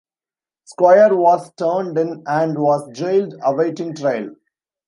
Squier was turned in and was jailed awaiting trial.